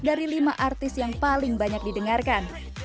dari lima artis yang paling banyak didengarkan